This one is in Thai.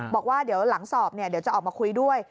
บอกว่าเดี๋ยวหลังสอบเดี๋ยวจะออกมาคุยด้วย